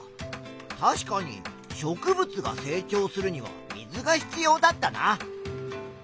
確かに植物が成長するには水が必要だったな。